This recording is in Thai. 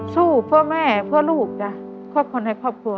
สู้เพื่อแม่เพื่อลูกจ้ะเพื่อคนในครอบครัว